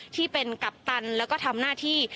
ที่เป็นกัปตันแล้วก็ทำหน้าที่